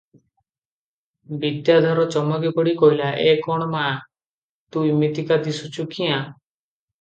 ବିଦ୍ୟାଧର ଚମକି ପଡ଼ି କହିଲା "ଏ କଣ ମା! ତୁ ଇମିତିକା ଦିଶୁଛୁ କ୍ୟାଁ?